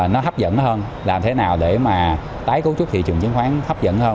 nó hấp dẫn hơn làm thế nào để mà tái cấu trúc thị trường chứng khoán hấp dẫn hơn